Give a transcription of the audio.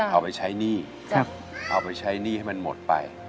เอาไปใช้หนี้เอาไปใช้หนี้ให้มันหมดไป